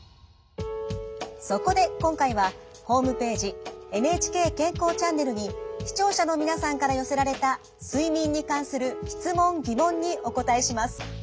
そこで今回はホームページ「ＮＨＫ健康チャンネル」に視聴者の皆さんから寄せられた睡眠に関する質問疑問にお答えします。